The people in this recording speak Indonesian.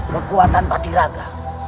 kekuatan pati raga